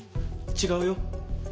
違うよ。